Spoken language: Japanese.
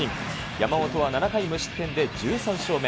山本は７回無失点で１３勝目。